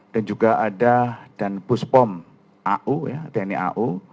dan juga ada buspom tni au